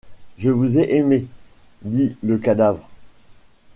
Je vous ai aimés, dit le cadavre.